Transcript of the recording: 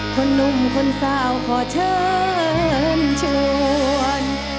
หนุ่มคนสาวขอเชิญชวน